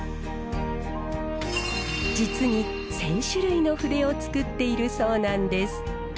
実に１，０００種類の筆を作っているそうなんです。